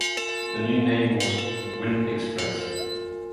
The new name was "Wind Express".